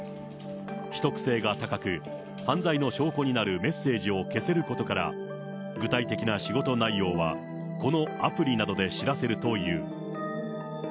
秘匿性が高く犯罪の証拠になるメッセージを消せることから、具体的な仕事内容は、このアプリなどで知らせるという。